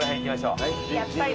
やっぱり。